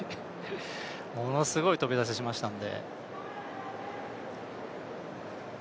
ものすごい飛び出しをしましたので。